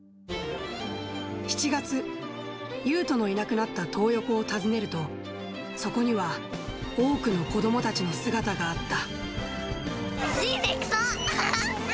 ７月、ユウトのいなくなったトー横を訪ねると、そこには多くの子どもたちの姿があった。